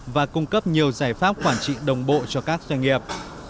và cung cấp nhiều giải pháp quản trị đồng bộ cho các doanh nghiệp